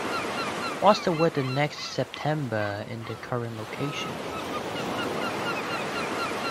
What's the weather next september in the current location?